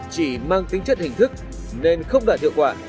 chỉ mang tính chất hình thức nên không đạt hiệu quả